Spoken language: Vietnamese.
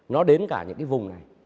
nó đến cả những cái vùng này